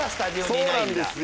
そうなんですよ。